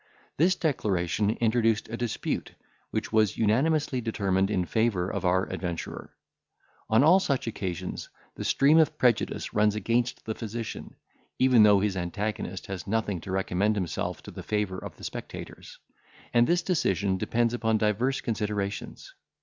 This declaration introduced a dispute, which was unanimously determined in favour of our adventurer. On all such occasions the stream of prejudice runs against the physician, even though his antagonist has nothing to recommend himself to the favour of the spectators; and this decision depends upon divers considerations.